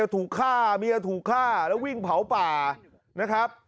ถูกฆ่าเมียถูกฆ่าแล้ววิ่งเผาป่านะครับ